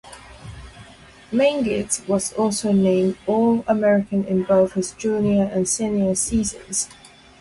Mengelt was also named All-American in both his junior and senior seasons.